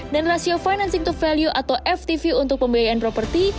dan rasio financing to value atau ftv untuk pembiayaan properti